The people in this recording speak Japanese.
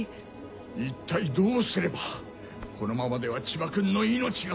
一体どうすればこのままでは千葉君の命が。